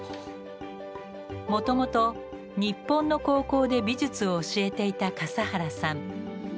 もともと日本の高校で美術を教えていた笠原さん。